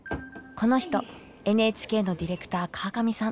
この人ＮＨＫのディレクター川上さん。